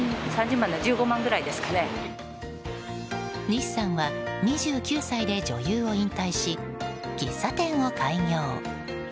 西さんは２９歳で女優を引退し喫茶店を開業。